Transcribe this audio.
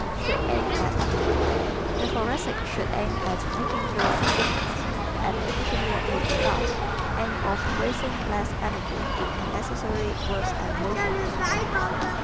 Should Aim At ¶ The Thoracic should aim at making fewer decisions, at finishing what he starts, and of wasting less energy in unnecessary words and motions.